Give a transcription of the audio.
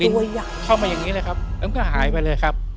ตัวใหญ่เข้ามาอย่างนี้เลยครับแล้วมันก็หายไปเลยครับ